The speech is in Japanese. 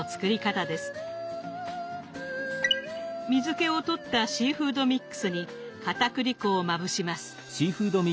水けを取ったシーフードミックスにかたくり粉をまぶします。